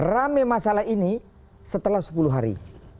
rame masalah ini setelah sepuluh hari